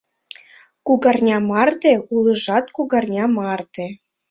- Кугарня марте, улыжат кугарня марте.